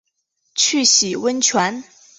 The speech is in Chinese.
去洗温泉